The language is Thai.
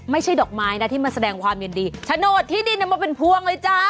ไม่ใช่ดอกไม้นะที่มาแสดงความยินดีโฉนดที่ดินเอามาเป็นพวงเลยจ้า